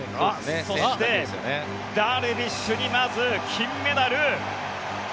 そして、ダルビッシュにまず金メダル。